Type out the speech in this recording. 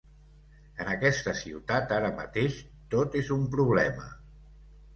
En aquesta ciutat ara mateix tot és un problema.